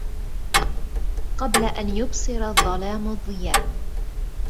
قبل أن يبصر الظلام الضياء